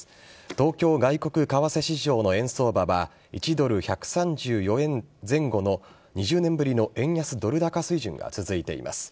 東京外国為替市場の円相場は１ドル１３４円前後の２０年ぶりの円安ドル高水準が続いています。